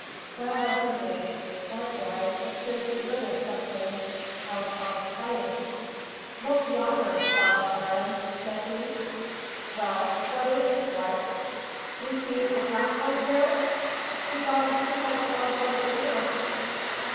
While thus engaged, Swartboy appeared to notice some thing out upon the plain. "Look yonner, Baas Arend," said he. "Well, what is it, Swart?" "You see da pack horse dare? He gone too much off from de camp."